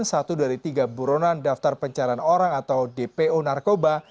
satu dari tiga buronan daftar pencarian orang atau dpo narkoba